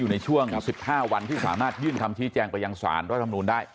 ในช่วง๑๕วันที่สามารถยื่นคำชี้แจงไปยังสารรัฐธรรมนูลได้